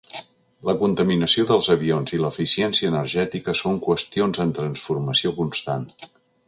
La contaminació dels avions i l’eficiència energètica són qüestions en transformació constant.